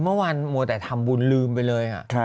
เมื่อวานมัวแต่ทำบุญลืมไปเลย